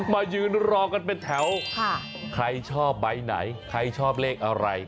มายืนรอกันเป็นแถวใครชอบใบไหนใครชอบเลขอะไร